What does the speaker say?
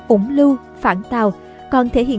ủng lưu phản tào còn thể hiện